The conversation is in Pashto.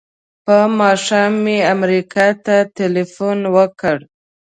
په ماښام مې امریکا ته ټیلفون وکړ.